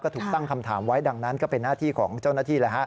ถูกตั้งคำถามไว้ดังนั้นก็เป็นหน้าที่ของเจ้าหน้าที่